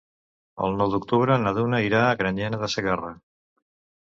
El nou d'octubre na Duna irà a Granyena de Segarra.